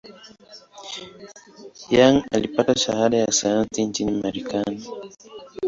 Young alipata shahada ya sayansi nchini Marekani.